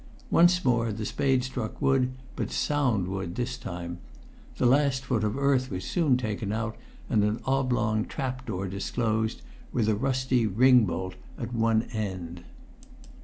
Once more the spade struck wood, but sound wood this time. The last foot of earth was soon taken out, and an oblong trap door disclosed, with a rusty ring bolt at one end.